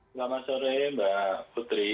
selamat sore mbak putri